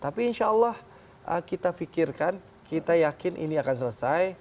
tapi insya allah kita pikirkan kita yakin ini akan selesai